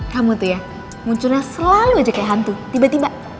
kamu tuh ya munculnya selalu aja kayak hantu tiba tiba